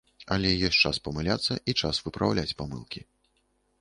Але ёсць час памыляцца, і час выпраўляць памылкі.